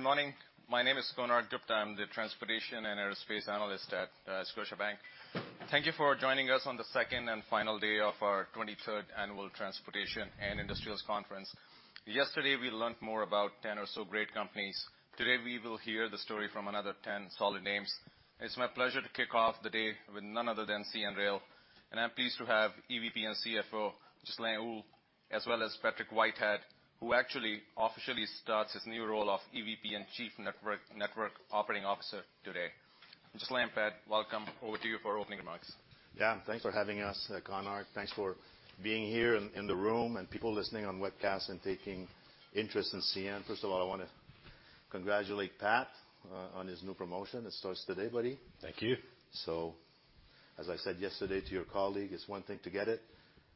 Good morning. My name is Konark Gupta. I'm the transportation and aerospace analyst at Scotiabank. Thank you for joining us on the second and final day of our 23rd Annual Transportation and Industrials Conference. Yesterday, we learned more about 10 or so great companies. Today, we will hear the story from another 10 solid names. It's my pleasure to kick off the day with none other than CN Rail, and I'm pleased to have EVP and CFO, Ghislain Houle, as well as Patrick Whitehead, who actually officially starts his new role of EVP and Chief Network Operating Officer today. Ghislain, Pat, welcome. Over to you for opening remarks. Yeah, thanks for having us, Konark. Thanks for being here in the room and people listening on webcast and taking interest in CN. First of all, I want to congratulate Pat on his new promotion. It starts today, buddy. Thank you. So as I said yesterday to your colleague, it's one thing to get it,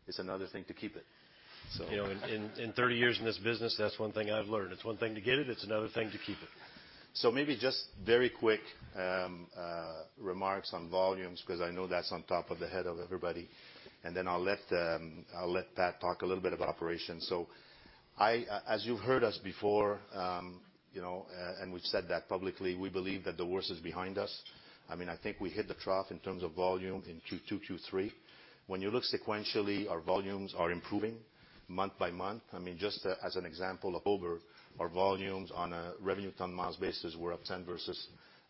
it's another thing to keep it. So You know, in 30 years in this business, that's one thing I've learned. It's one thing to get it, it's another thing to keep it. So maybe just very quick remarks on volumes, because I know that's on top of the head of everybody. And then I'll let, I'll let Pat talk a little bit about operations. So as you've heard us before, you know, and we've said that publicly, we believe that the worst is behind us. I mean, I think we hit the trough in terms of volume in Q2, Q3. When you look sequentially, our volumes are improving month by month. I mean, just as an example, October, our volumes on a revenue ton miles basis were up 10 versus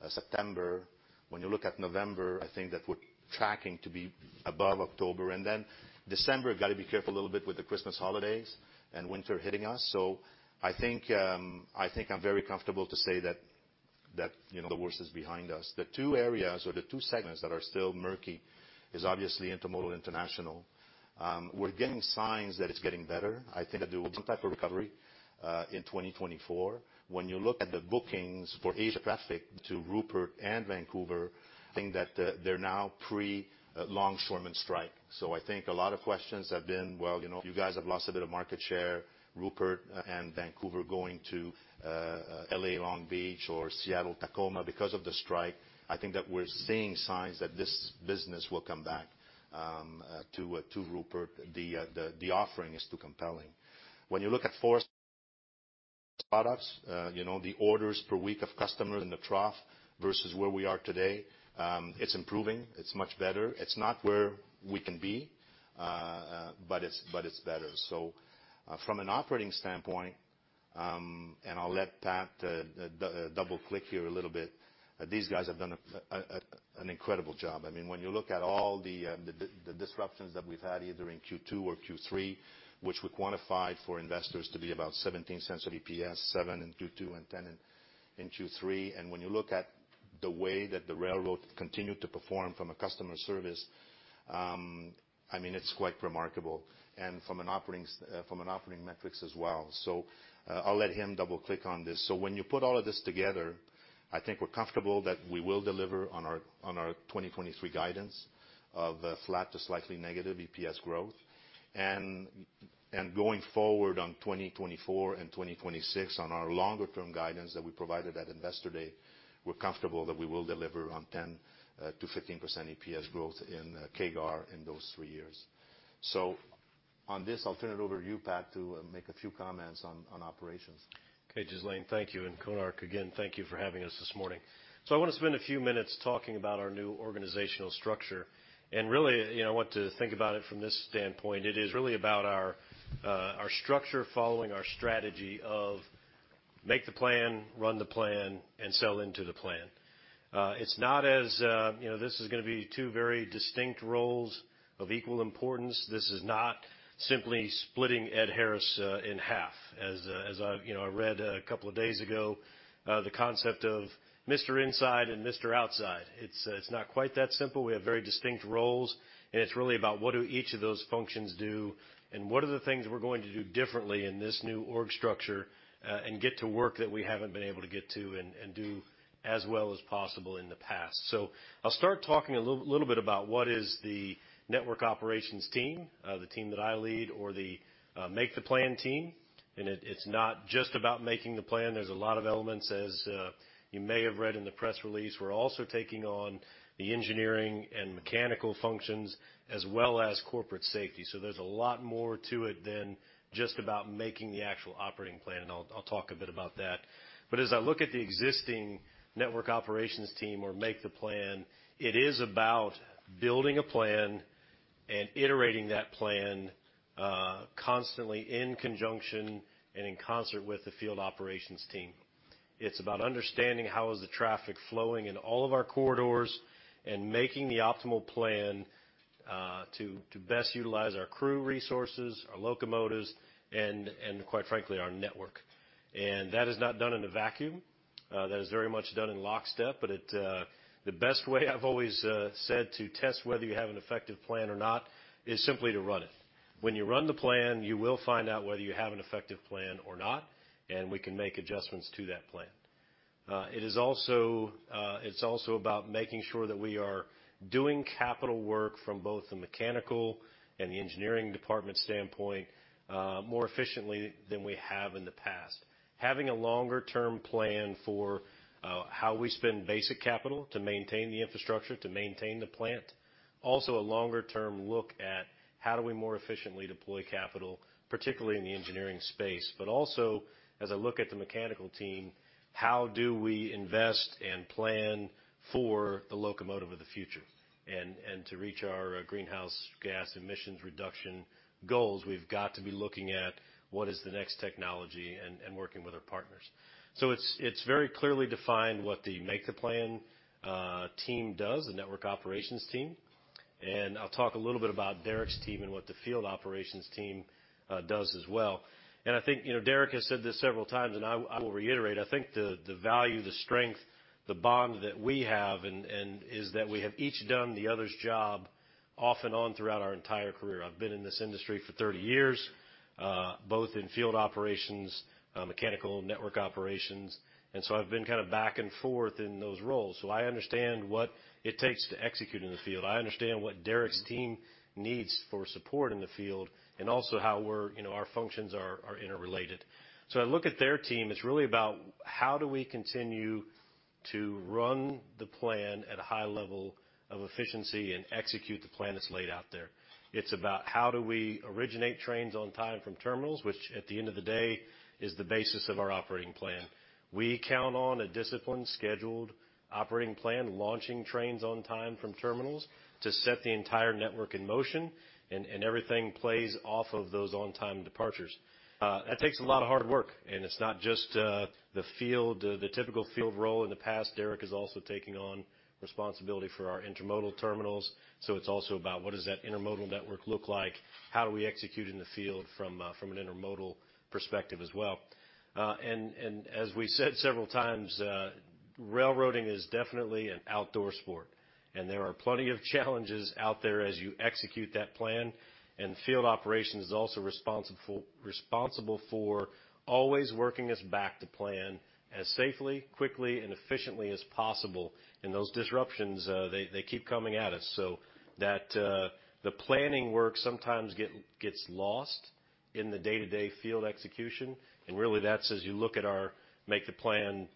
September. When you look at November, I think that we're tracking to be above October, and then December, got to be careful a little bit with the Christmas holidays and winter hitting us. So I think, I think I'm very comfortable to say that, that, you know, the worst is behind us. The two areas or the two segments that are still murky is obviously intermodal international. We're getting signs that it's getting better. I think that there will be some type of recovery in 2024. When you look at the bookings for Asia traffic to Prince Rupert and Vancouver, I think that, they're now pre-longshoreman strike. So I think a lot of questions have been, well, you know, you guys have lost a bit of market share, Rupert and Vancouver going to, LA, Long Beach, or Seattle/Tacoma, because of the strike. I think that we're seeing signs that this business will come back, to, to Rupert. The, the, the offering is too compelling. When you look at forest products, you know, the orders per week of customers in the trough versus where we are today, it's improving. It's much better. It's not where we can be, but it's better. So from an operating standpoint, and I'll let Pat double-click here a little bit, these guys have done an incredible job. I mean, when you look at all the disruptions that we've had, either in Q2 or Q3, which we quantified for investors to be about $0.17 of EPS, $0.07 in Q2 and $0.10 in Q3. And when you look at the way that the railroad continued to perform from a customer service, I mean, it's quite remarkable, and from an operating metrics as well. So, I'll let him double-click on this. So when you put all of this together, I think we're comfortable that we will deliver on our 2023 guidance of flat to slightly negative EPS growth. And going forward on 2024 and 2026, on our longer term guidance that we provided at Investor Day, we're comfortable that we will deliver on 10%-15% EPS growth in CAGR in those three years. So on this, I'll turn it over to you, Pat, to make a few comments on operations. Okay, Ghislain, thank you, and, Konark, again, thank you for having us this morning. So I want to spend a few minutes talking about our new organizational structure, and really, you know, I want to think about it from this standpoint. It is really about our, our structure following our strategy of make the plan, run the plan, and sell into the plan. It's not as, you know, this is gonna be two very distinct roles of equal importance. This is not simply splitting Ed Harris in half. As, as I, you know, I read a couple of days ago, the concept of Mr. Inside and Mr. Outside. It's, it's not quite that simple. We have very distinct roles, and it's really about what do each of those functions do, and what are the things we're going to do differently in this new org structure, and get to work that we haven't been able to get to and do as well as possible in the past. So I'll start talking a little bit about what is the network operations team, the team that I lead or the make the plan team, and it's not just about making the plan. There's a lot of elements, as you may have read in the press release. We're also taking on the engineering and mechanical functions as well as corporate safety. So there's a lot more to it than just about making the actual operating plan, and I'll talk a bit about that. But as I look at the existing network operations team or make the plan, it is about building a plan and iterating that plan, constantly in conjunction and in concert with the field operations team. It's about understanding how is the traffic flowing in all of our corridors and making the optimal plan, to best utilize our crew resources, our locomotives, and quite frankly, our network. And that is not done in a vacuum. That is very much done in lockstep, but it, the best way I've always said to test whether you have an effective plan or not is simply to run it. When you run the plan, you will find out whether you have an effective plan or not, and we can make adjustments to that plan.... It is also, it's also about making sure that we are doing capital work from both the mechanical and the engineering department standpoint, more efficiently than we have in the past. Having a longer-term plan for how we spend basic capital to maintain the infrastructure, to maintain the plant, also a longer-term look at how do we more efficiently deploy capital, particularly in the engineering space, but also, as I look at the mechanical team, how do we invest and plan for the locomotive of the future? And to reach our greenhouse gas emissions reduction goals, we've got to be looking at what is the next technology and working with our partners. So it's very clearly defined what the Make the Plan team does, the network operations team. I'll talk a little bit about Derek's team and what the field operations team does as well. I think, you know, Derek has said this several times, and I will reiterate. I think the value, the strength, the bond that we have, and that is that we have each done the other's job off and on throughout our entire career. I've been in this industry for 30 years, both in field operations, mechanical and network operations, and so I've been kind of back and forth in those roles. So I understand what it takes to execute in the field. I understand what Derek's team needs for support in the field, and also how we're, you know, our functions are interrelated. So I look at their team, it's really about how do we continue to run the plan at a high level of efficiency and execute the plan that's laid out there. It's about how do we originate trains on time from terminals, which, at the end of the day, is the basis of our operating plan. We count on a disciplined, scheduled operating plan, launching trains on time from terminals to set the entire network in motion, and everything plays off of those on-time departures. That takes a lot of hard work, and it's not just the field, the typical field role in the past. Derek is also taking on responsibility for our intermodal terminals, so it's also about what does that intermodal network look like? How do we execute in the field from, from an intermodal perspective as well? And as we said several times, railroading is definitely an outdoor sport, and there are plenty of challenges out there as you execute that plan. And field operations is also responsible for always working us back to plan as safely, quickly, and efficiently as possible. And those disruptions, they keep coming at us, so that the planning work sometimes gets lost in the day-to-day field execution. And really, that's as you look at our Make the Plan,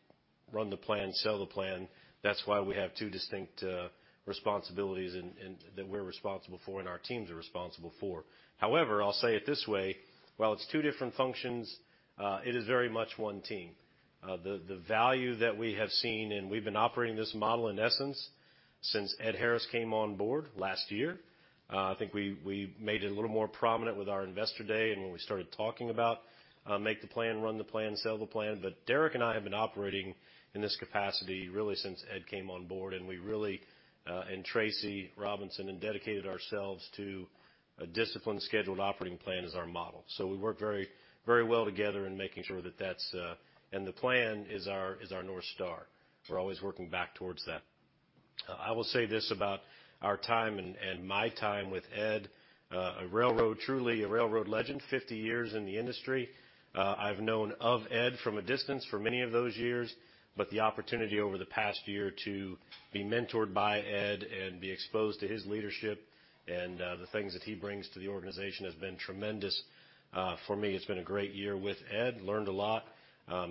Run the Plan, Sell the Plan, that's why we have two distinct responsibilities and that we're responsible for and our teams are responsible for. However, I'll say it this way, while it's two different functions, it is very much one team. The value that we have seen, and we've been operating this model in essence, since Ed Harris came on board last year. I think we made it a little more prominent with our investor day and when we started talking about Make the Plan, Run the Plan, Sell the Plan. But Derek and I have been operating in this capacity really since Ed came on board, and we really and Tracy Robinson dedicated ourselves to a disciplined, scheduled operating plan as our model. So we work very, very well together in making sure that that's. And the plan is our North Star. We're always working back towards that. I will say this about our time and my time with Ed, a railroad, truly a railroad legend, 50 years in the industry. I've known of Ed from a distance for many of those years, but the opportunity over the past year to be mentored by Ed and be exposed to his leadership and the things that he brings to the organization has been tremendous. For me, it's been a great year with Ed, learned a lot.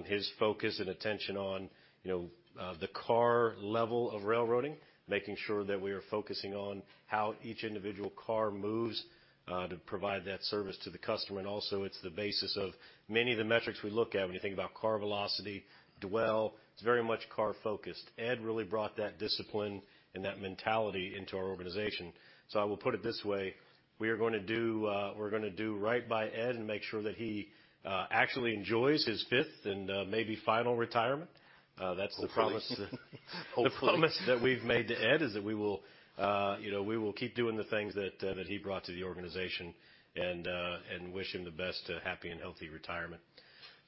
His focus and attention on, you know, the car level of railroading, making sure that we are focusing on how each individual car moves to provide that service to the customer, and also it's the basis of many of the metrics we look at when you think about car velocity, dwell, it's very much car-focused. Ed really brought that discipline and that mentality into our organization. So I will put it this way: We are gonna do, we're gonna do right by Ed and make sure that he actually enjoys his fifth and, maybe final retirement. That's the promise. Hopefully. The promise that we've made to Ed is that we will, you know, we will keep doing the things that that he brought to the organization and wish him the best to happy and healthy retirement.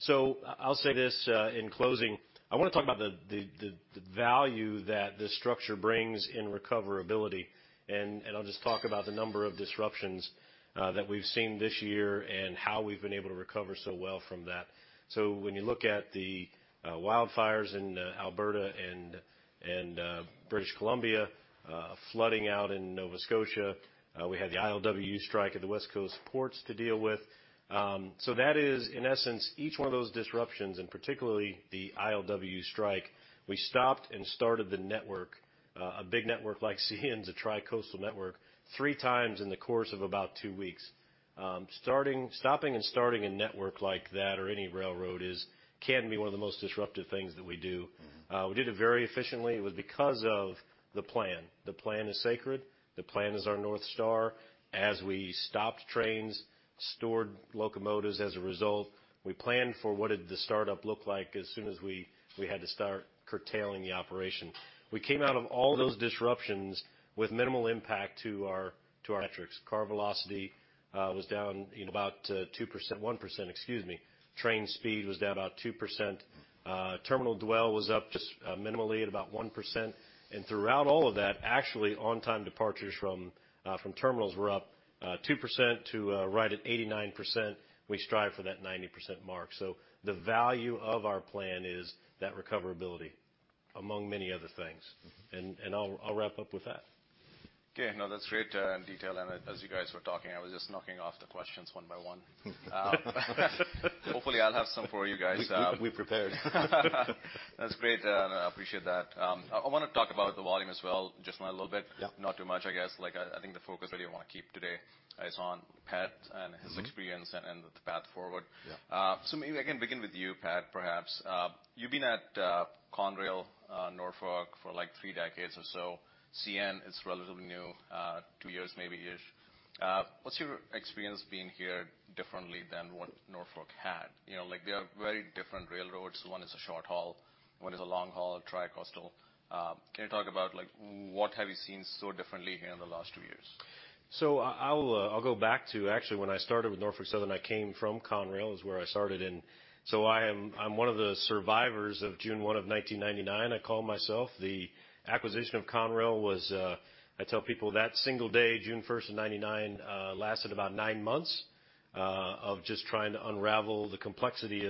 So I'll say this, in closing, I wanna talk about the value that this structure brings in recoverability, and I'll just talk about the number of disruptions that we've seen this year and how we've been able to recover so well from that. So when you look at the wildfires in Alberta and British Columbia, flooding out in Nova Scotia, we had the ILWU strike at the West Coast ports to deal with. So that is, in essence, each one of those disruptions, and particularly the ILWU strike, we stopped and started the network, a big network like CN's, a tri-coastal network, three times in the course of about two weeks. Starting, stopping and starting a network like that or any railroad can be one of the most disruptive things that we do. Mm-hmm. We did it very efficiently. It was because of the plan. The plan is sacred. The plan is our North Star. As we stopped trains, stored locomotives as a result, we planned for what did the startup look like as soon as we had to start curtailing the operation. We came out of all those disruptions with minimal impact to our, to our metrics. Car Velocity was down about 2%, 1%, excuse me. Train speed was down about 2%. Terminal dwell was up just minimally at about 1%. And throughout all of that, actually, on-time departures from terminals were up 2% to right at 89%. We strive for that 90% mark. So the value of our plan is that recoverability, among many other things. Mm-hmm. I'll wrap up with that. ... Okay, no, that's great in detail, and as you guys were talking, I was just knocking off the questions one by one. Hopefully, I'll have some for you guys. We prepared. That's great, and I appreciate that. I wanna talk about the volume as well, just a little bit. Yeah. Not too much, I guess. Like, I think the focus that you wanna keep today is on Pat and his - Mm-hmm - experience and the path forward. Yeah. So maybe I can begin with you, Pat, perhaps. You've been at Conrail, Norfolk for, like, three decades or so. CN is relatively new, two years, maybe-ish. What's your experience being here differently than what Norfolk had? You know, like, they are very different railroads. One is a short haul, one is a long haul, tri-coastal. Can you talk about like, what have you seen so differently here in the last two years? So I'll go back to actually, when I started with Norfolk Southern, I came from Conrail, is where I started, and so I am, I'm one of the survivors of June 1 of 1999, I call myself. The acquisition of Conrail was, I tell people that single day, June first of 1999, lasted about 9 months, of just trying to unravel the complexity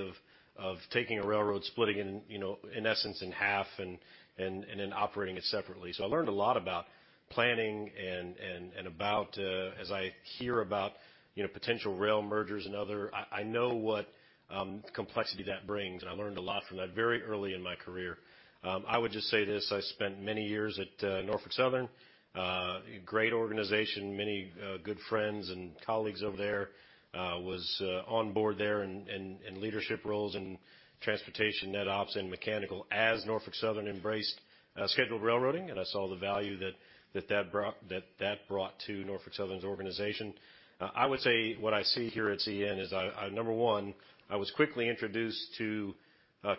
of taking a railroad, splitting it, you know, in essence, in half and then operating it separately. So I learned a lot about planning and about, as I hear about, you know, potential rail mergers and other... I know what complexity that brings, and I learned a lot from that very early in my career. I would just say this: I spent many years at Norfolk Southern, a great organization, many good friends and colleagues over there. Was on board there in leadership roles in transportation, net ops and mechanical, as Norfolk Southern embraced scheduled railroading, and I saw the value that brought to Norfolk Southern's organization. I would say what I see here at CN is, number one, I was quickly introduced to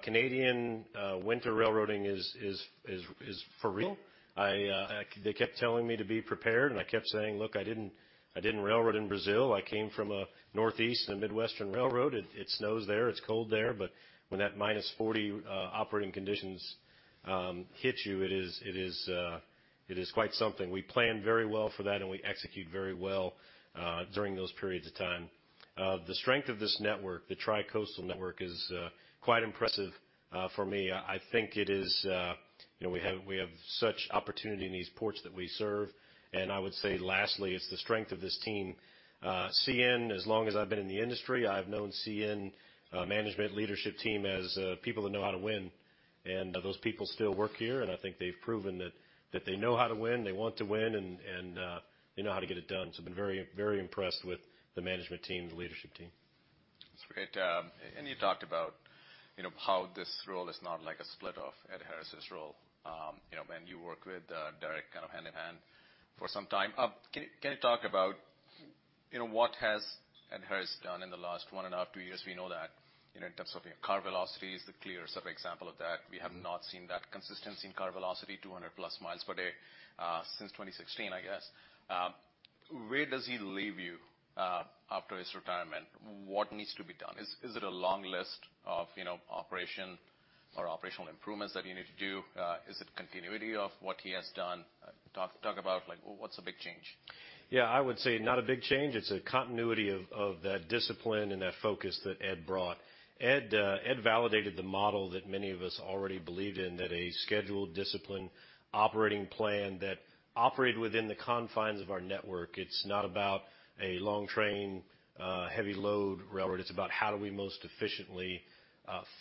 Canadian winter railroading is for real. They kept telling me to be prepared, and I kept saying: Look, I didn't railroad in Brazil. I came from a northeast and midwestern railroad. It snows there, it's cold there, but when that -40 operating conditions hit you, it is quite something. We plan very well for that, and we execute very well during those periods of time. The strength of this network, the tri-coastal network, is quite impressive for me. I think it is, you know, we have such opportunity in these ports that we serve. And I would say, lastly, it's the strength of this team. CN, as long as I've been in the industry, I've known CN management leadership team as people that know how to win, and those people still work here, and I think they've proven that they know how to win, they want to win, and they know how to get it done. I've been very, very impressed with the management team, the leadership team. That's great. And you talked about, you know, how this role is not like a split off Ed Harris' role. You know, when you worked with Derek, kind of hand in hand for some time. Can you talk about, you know, what has Ed Harris done in the last 1.5, 2 years? We know that, you know, in terms of car velocities, the clear sort of example of that, we have not seen that consistency in car velocity, 200+ miles per day, since 2016, I guess. Where does he leave you after his retirement? What needs to be done? Is it a long list of, you know, operation or operational improvements that you need to do? Is it continuity of what he has done? Talk about, like, what's the big change? Yeah, I would say not a big change. It's a continuity of that discipline and that focus that Ed brought. Ed validated the model that many of us already believed in, that a scheduled, disciplined, operating plan that operated within the confines of our network. It's not about a long train, heavy load railroad. It's about how do we most efficiently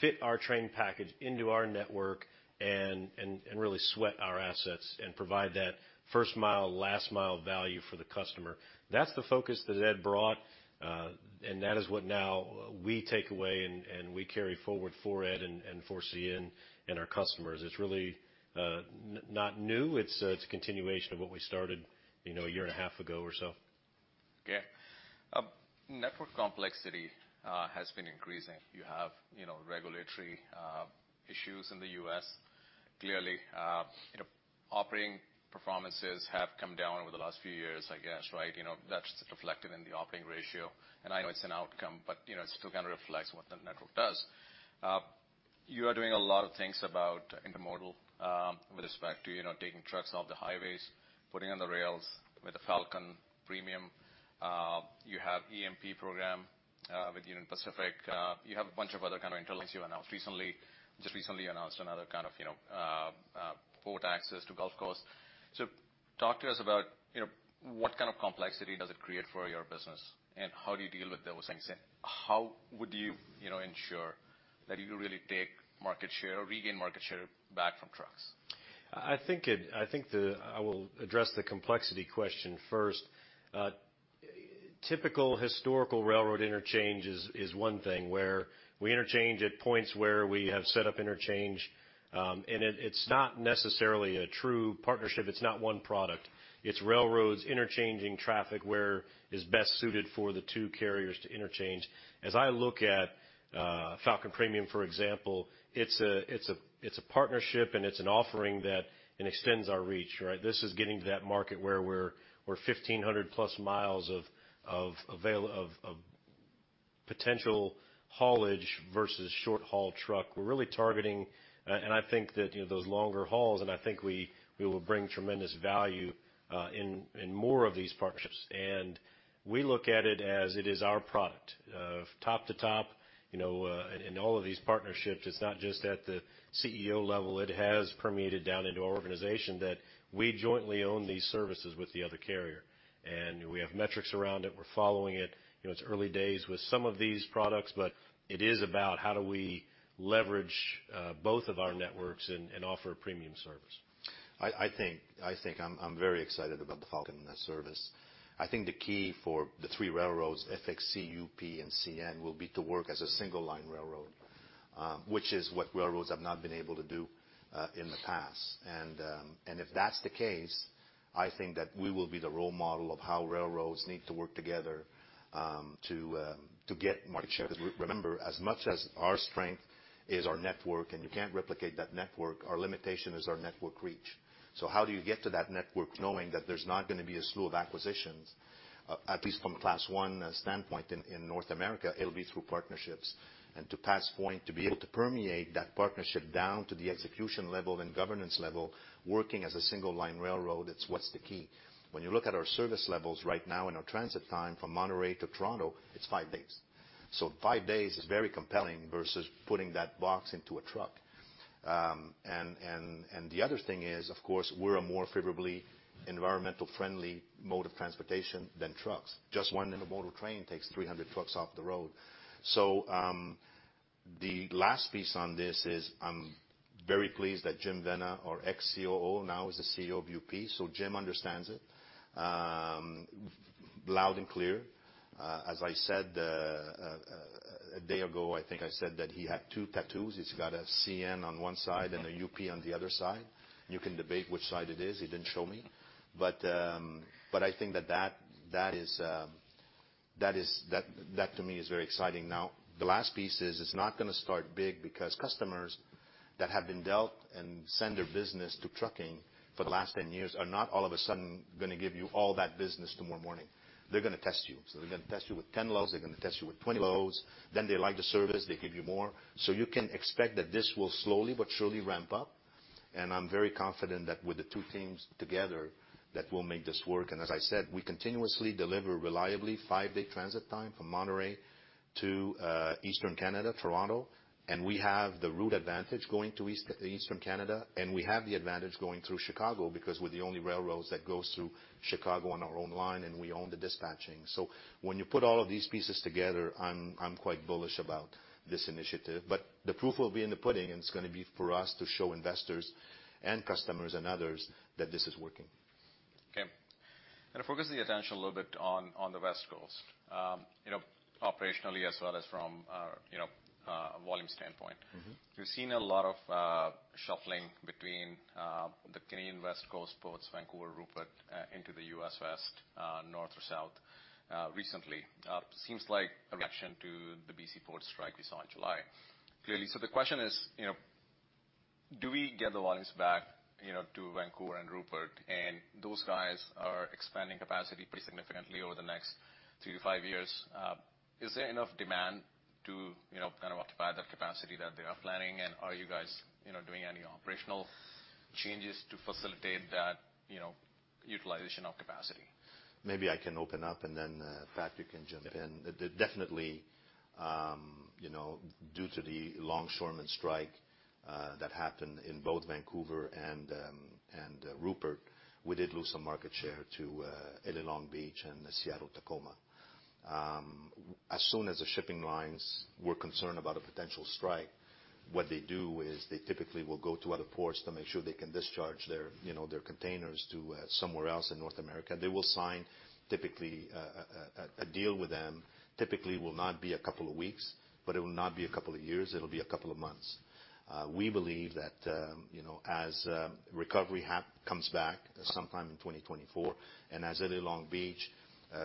fit our train package into our network and really sweat our assets and provide that first-mile, last-mile value for the customer. That's the focus that Ed brought, and that is what now we take away, and we carry forward for Ed and for CN and our customers. It's really not new. It's a continuation of what we started, you know, a year and a half ago or so. Okay. Network complexity has been increasing. You have, you know, regulatory issues in the U.S. Clearly, you know, operating performances have come down over the last few years, I guess, right? You know, that's reflected in the operating ratio, and I know it's an outcome, but, you know, it still kind of reflects what the network does. You are doing a lot of things about intermodal with respect to, you know, taking trucks off the highways, putting on the rails with the Falcon Premium. You have EMP program with Union Pacific. You have a bunch of other kind of interlinks you announced recently, just recently announced another kind of, you know, port access to Gulf Coast. Talk to us about, you know, what kind of complexity does it create for your business, and how do you deal with those things? How would you, you know, ensure that you really take market share or regain market share back from trucks? I think I will address the complexity question first. Typical historical railroad interchange is one thing, where we interchange at points where we have set up interchange, and it, it's not necessarily a true partnership. It's not one product. It's railroads interchanging traffic where is best suited for the two carriers to interchange. As I look at Falcon Premium, for example, it's a partnership, and it's an offering that, it extends our reach, right? This is getting to that market where we're 1,500+ miles of available potential haulage versus short-haul truck. We're really targeting, and I think that, you know, those longer hauls, and I think we will bring tremendous value in more of these partnerships. We look at it as it is our product of top to top, you know, in all of these partnerships, it's not just at the CEO level. It has permeated down into our organization that we jointly own these services with the other carrier, and we have metrics around it. We're following it. You know, it's early days with some of these products, but it is about how do we leverage both of our networks and offer a premium service. I think I'm very excited about the Falcon service. I think the key for the three railroads, FXE, UP, and CN, will be to work as a single line railroad, which is what railroads have not been able to do in the past. And if that's the case, I think that we will be the role model of how railroads need to work together to get market share. Because remember, as much as our strength is our network, and you can't replicate that network, our limitation is our network reach. So how do you get to that network knowing that there's not gonna be a slew of acquisitions, at least from Class I standpoint in North America, it'll be through partnerships. To Pat's point, to be able to permeate that partnership down to the execution level and governance level, working as a single line railroad, it's what's the key. When you look at our service levels right now and our transit time from Monterrey to Toronto, it's five days. Five days is very compelling versus putting that box into a truck. And the other thing is, of course, we're a more favorably environmental friendly mode of transportation than trucks. Just one intermodal train takes 300 trucks off the road. The last piece on this is I'm very pleased that Jim Vena, our ex-COO, now is the CEO of UP, so Jim understands it, loud and clear. As I said, a day ago, I think I said that he had two tattoos. He's got a CN on one side and a UP on the other side. You can debate which side it is. He didn't show me. But I think that is that to me is very exciting. Now, the last piece is, it's not gonna start big because customers that have been dealt and send their business to trucking for the last 10 years are not all of a sudden gonna give you all that business tomorrow morning. They're gonna test you. So they're gonna test you with 10 loads, they're gonna test you with 20 loads. Then they like the service, they give you more. So you can expect that this will slowly but surely ramp up, and I'm very confident that with the two teams together, that we'll make this work. As I said, we continuously deliver reliably 5-day transit time from Monterrey to eastern Canada, Toronto, and we have the route advantage going to eastern Canada, and we have the advantage going through Chicago because we're the only railroads that goes through Chicago on our own line, and we own the dispatching. So when you put all of these pieces together, I'm quite bullish about this initiative. But the proof will be in the pudding, and it's gonna be for us to show investors and customers and others that this is working. Okay. To focus the attention a little bit on the West Coast, you know, operationally as well as from you know, a volume standpoint. Mm-hmm. We've seen a lot of shuffling between the Canadian West Coast ports, Vancouver, Rupert, into the U.S. West, north or south, recently. It seems like a reaction to the B.C. port strike we saw in July. Clearly, so the question is, you know, do we get the volumes back, you know, to Vancouver and Rupert, and those guys are expanding capacity pretty significantly over the next three to five years. Is there enough demand to, you know, kind of occupy that capacity that they are planning? And are you guys, you know, doing any operational changes to facilitate that, you know, utilization of capacity? Maybe I can open up and then, Pat, you can jump in. Definitely, you know, due to the longshoremen strike that happened in both Vancouver and Rupert, we did lose some market share to LA Long Beach and Seattle, Tacoma. As soon as the shipping lines were concerned about a potential strike, what they do is they typically will go to other ports to make sure they can discharge their, you know, their containers to somewhere else in North America. They will sign typically a deal with them. Typically, it will not be a couple of weeks, but it will not be a couple of years, it'll be a couple of months. We believe that, you know, as recovery comes back sometime in 2024, and as L.A. Long Beach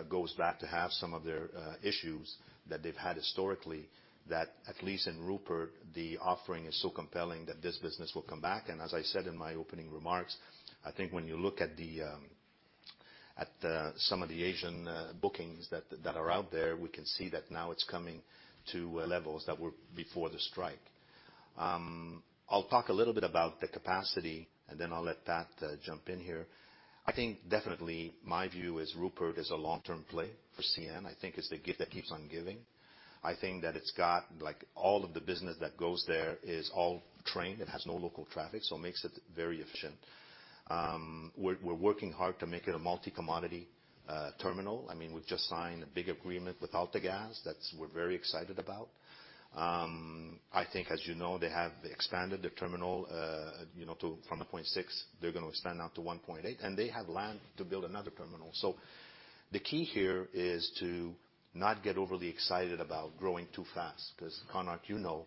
goes back to have some of their issues that they've had historically, that at least in Rupert, the offering is so compelling that this business will come back. And as I said in my opening remarks, I think when you look at the, at some of the Asian bookings that are out there, we can see that now it's coming to levels that were before the strike. I'll talk a little bit about the capacity, and then I'll let Pat jump in here. I think definitely my view is Rupert is a long-term play for CN. I think it's the gift that keeps on giving. I think that it's got, like, all of the business that goes there is all trained. It has no local traffic, so it makes it very efficient. We're working hard to make it a multi-commodity terminal. I mean, we've just signed a big agreement with AltaGas that we're very excited about. I think, as you know, they have expanded the terminal, you know, to from 0.6, they're gonna expand out to 1.8, and they have land to build another terminal. So the key here is to not get overly excited about growing too fast, 'cause Konark, you know,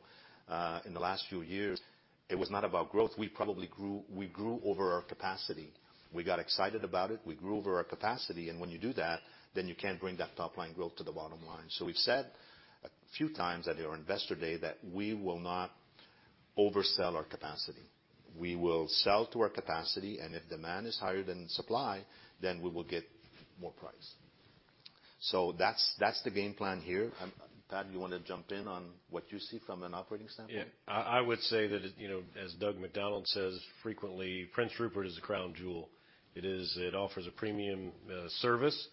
in the last few years, it was not about growth. We probably grew over our capacity. We got excited about it, we grew over our capacity, and when you do that, then you can't bring that top-line growth to the bottom line. So we've said a few times at our investor day that we will not oversell our capacity. We will sell to our capacity, and if demand is higher than supply, then we will get more price. So that's, that's the game plan here. Pat, you want to jump in on what you see from an operating standpoint? Yeah. I, I would say that, you know, as Doug MacDonald says frequently, Prince Rupert is a crown jewel. It is. It offers a premium service.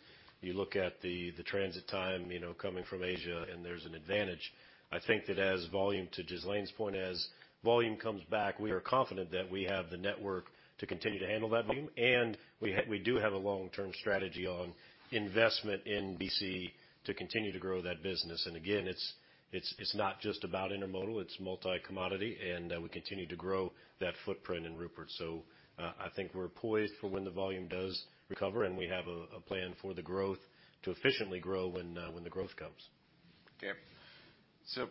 You look at the transit time, you know, coming from Asia, and there's an advantage. I think that as volume, to Ghislain's point, as volume comes back, we are confident that we have the network to continue to handle that volume, and we do have a long-term strategy on investment in BC to continue to grow that business. And again, it's not just about intermodal, it's multi-commodity, and we continue to grow that footprint in Rupert. So, I think we're poised for when the volume does recover, and we have a plan for the growth to efficiently grow when the growth comes. Okay. So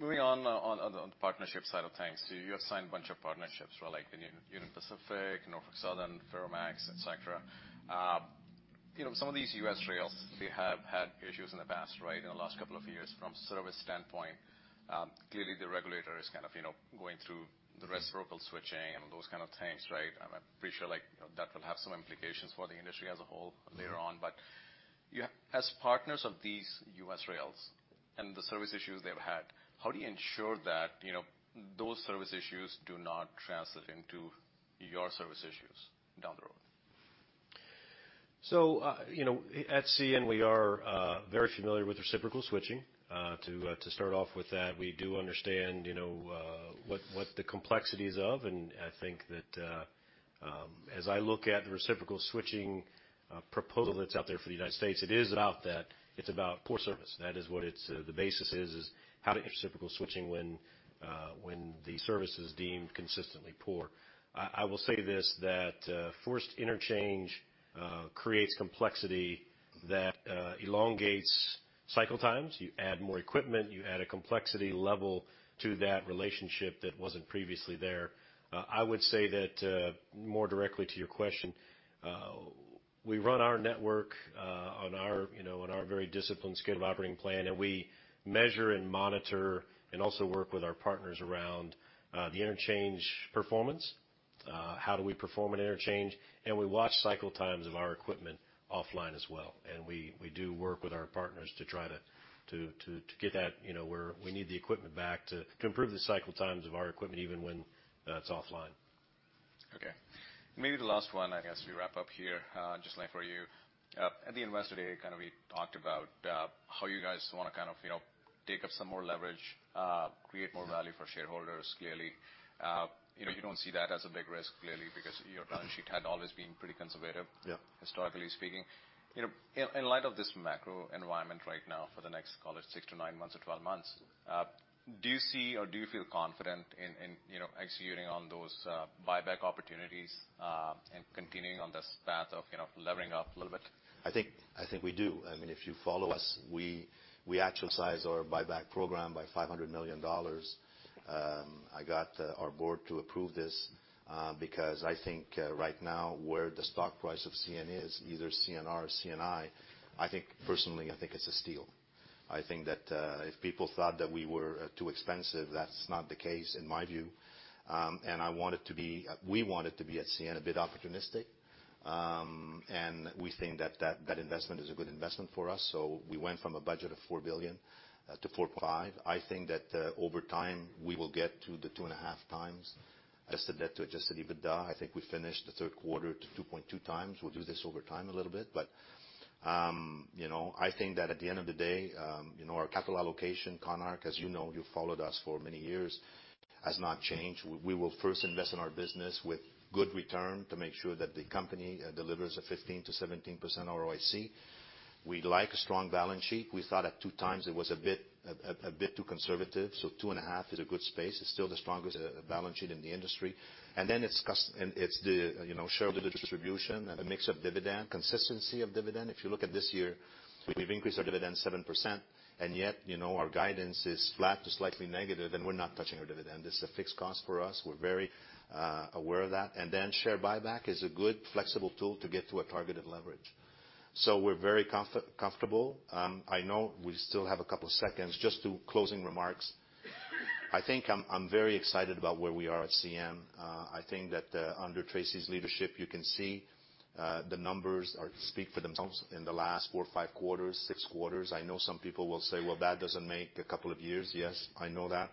moving on, on the partnership side of things, so you have signed a bunch of partnerships, right? Like the Union Pacific, Norfolk Southern, Ferromex, et cetera. You know, some of these U.S. rails, they have had issues in the past, right, in the last couple of years from service standpoint. Clearly, the regulator is kind of, you know, going through the reciprocal switching and those kind of things, right? I'm pretty sure, like, that will have some implications for the industry as a whole later on. But as partners of these U.S. rails and the service issues they've had, how do you ensure that, you know, those service issues do not translate into your service issues down the road? So, you know, at CN, we are very familiar with reciprocal switching. To start off with that, we do understand, you know, what the complexities of, and I think that, as I look at the reciprocal switching proposal that's out there for the United States, it is about that. It's about poor service. That is what it's the basis is, is how to reciprocal switching when the service is deemed consistently poor. I will say this, that forced interchange creates complexity that elongates cycle times. You add more equipment, you add a complexity level to that relationship that wasn't previously there. I would say that, more directly to your question, we run our network on our, you know, on our very disciplined schedule operating plan, and we measure and monitor and also work with our partners around the interchange performance, how do we perform an interchange, and we watch cycle times of our equipment offline as well. We do work with our partners to try to get that, you know, where we need the equipment back to improve the cycle times of our equipment, even when it's offline. Okay. Maybe the last one, I guess, we wrap up here, just like for you. At the Investor Day, kind of we talked about, how you guys wanna kind of, you know, take up some more leverage, create more value for shareholders, clearly. You know, you don't see that as a big risk, clearly, because your balance sheet had always been pretty conservative- Yeah. Historically speaking, you know, in light of this macro environment right now for the next, call it 6–9 months or 12 months, do you see or do you feel confident in, you know, executing on those buyback opportunities and continuing on this path of, you know, levering up a little bit? I think we do. I mean, if you follow us, we actualize our buyback program by $500 million. I got our board to approve this because I think right now, where the stock price of CN is, either CNR or CNI, I think personally, I think it's a steal. I think that if people thought that we were too expensive, that's not the case in my view. And I want it to be, we want it to be at CN, a bit opportunistic. And we think that that investment is a good investment for us. So we went from a budget of $4 billion–$4.5 billion. I think that over time, we will get to the 2.5x. I said that to Adjusted EBITDA. I think we finished the third quarter to 2.2x. We'll do this over time a little bit, but, you know, I think that at the end of the day, you know, our capital allocation, Konark, as you know, you followed us for many years, has not changed. We will first invest in our business with good return to make sure that the company delivers a 15%-17% ROIC. We like a strong balance sheet. We thought at 2x it was a bit too conservative, so 2.5 is a good space. It's still the strongest balance sheet in the industry. And then it's cushion and it's the, you know, share of the distribution and the mix of dividend, consistency of dividend. If you look at this year, we've increased our dividend 7%, and yet, you know, our guidance is flat to slightly negative, and we're not touching our dividend. This is a fixed cost for us. We're very aware of that. And then share buyback is a good flexible tool to get to a targeted leverage. So we're very comfortable. I know we still have a couple of seconds just to closing remarks. I think I'm very excited about where we are at CN. I think that under Tracy's leadership, you can see the numbers speak for themselves in the last four, five quarters, six quarters. I know some people will say, "Well, that doesn't make a couple of years." Yes, I know that.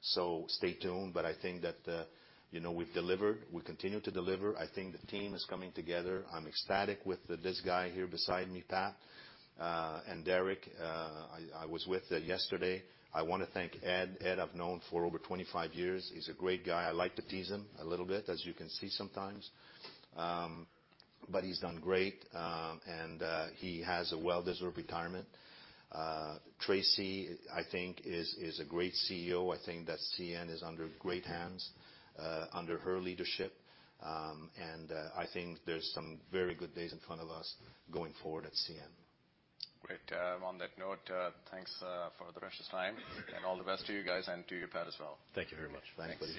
So stay tuned. But I think that, you know, we've delivered, we continue to deliver. I think the team is coming together. I'm ecstatic with this guy here beside me, Pat, and Derek. I was with him yesterday. I want to thank Ed. Ed, I've known for over 25 years. He's a great guy. I like to tease him a little bit, as you can see sometimes. But he's done great, and he has a well-deserved retirement. Tracy, I think, is a great CEO. I think that CN is under great hands, under her leadership, and I think there's some very good days in front of us going forward at CN. Great. On that note, thanks for the precious time, and all the best to you guys and to you, Pat, as well. Thank you very much. Thanks, ladies and gentlemen.